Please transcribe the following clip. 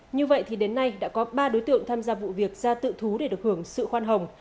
như vậy thì đến nay đã có ba đối tượng tham gia vụ việc ra tự thú để được hưởng sự khoan hồng